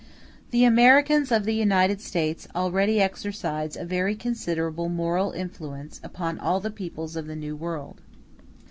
The Americans of the United States already exercise a very considerable moral influence upon all the peoples of the New World.